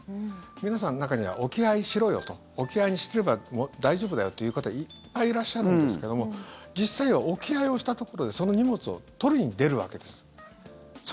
皆さん、中には置き配しろよと置き配にしてれば大丈夫だよという方はいっぱいいらっしゃるんですけども実際は置き配をしたところでその荷物を取りに出るわけです。